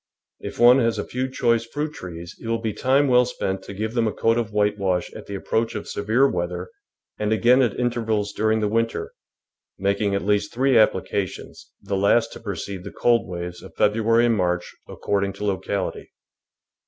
If one has a few choice fruit trees it will be time well spent to give them a coat of whitewash at the approach of severe weather and again at intervals during the winter, making at least three applica tions, the last to precede the cold waves of Feb ruary and March, according to locality.